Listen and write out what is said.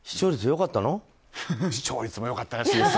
視聴率も良かったらしいです。